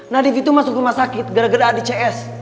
nadif itu masuk rumah sakit gara gara ada cs